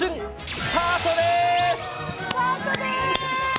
スタートです！